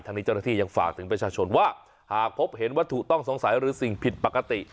นี้เจ้าหน้าที่ยังฝากถึงประชาชนว่าหากพบเห็นวัตถุต้องสงสัยหรือสิ่งผิดปกติ